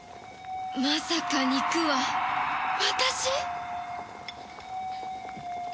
まさか肉は私？